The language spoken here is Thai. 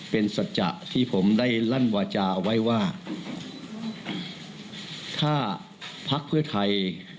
เป็นสัจจะที่ผมได้ลั่นวาจาเอาไว้ว่าถ้าพักเพื่อไทย